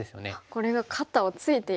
これが肩をツイている。